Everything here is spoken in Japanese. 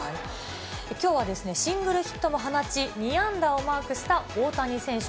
きょうはシングルヒットも放ち、２安打をマークした大谷選手。